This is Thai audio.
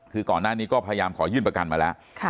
คือก่อนหน้านี้ก็พยายามขอยื่นประกันมาแล้ว